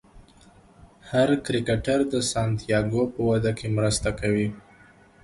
هر کرکټر د سانتیاګو په وده کې مرسته کوي.